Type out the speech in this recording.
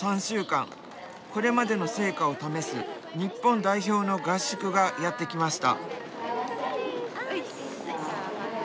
これまでの成果を試す日本代表の合宿がやって来ました。